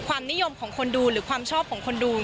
ความนิยมของคนดูหรือความชอบของคนดู